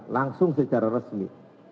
langsung secara resmi